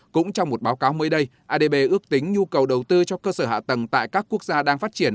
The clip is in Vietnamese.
cũng trong một báo cáo mới đây adb ước tính nhu cầu đầu tư cho cơ sở hạ tầng tại các quốc gia đang phát triển